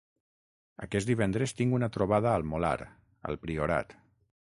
Aquest divendres tinc una trobada al Molar, al Priorat.